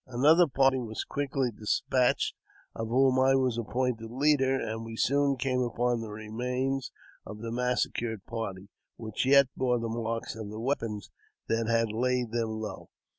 Another party was quickly despatched, of whom I was appointed leader, and we soon came upon the remains of the massacred party, which yet bore the marks of the weapons that had laid them low.